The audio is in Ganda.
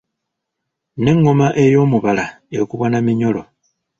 N'engoma ey’omubala ekubwa na minyolo.